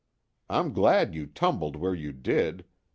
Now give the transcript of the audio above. I'm glad you tumbled where you did.